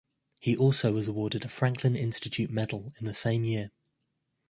He also was awarded a Franklin Institute Medal in the same year.